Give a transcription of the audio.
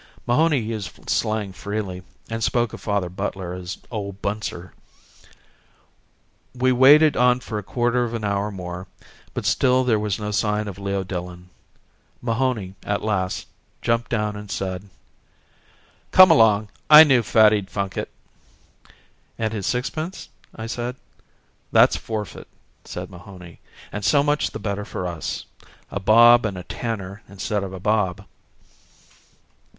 Mahony used slang freely, and spoke of Father Butler as Old Bunser. We waited on for a quarter of an hour more but still there was no sign of Leo Dillon. Mahony, at last, jumped down and said: "Come along. I knew Fatty'd funk it." "And his sixpence...?" I said. "That's forfeit," said Mahony. "And so much the better for us—a bob and a tanner instead of a bob."